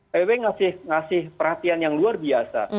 pb ngasih perhatian yang luar biasa